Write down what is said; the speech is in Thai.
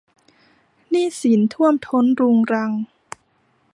หนี้สินท่วมท้นรุงรัง